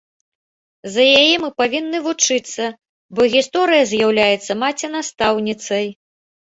З яе мы павінны вучыцца, бо гісторыя з'яўляецца маці-настаўніцай.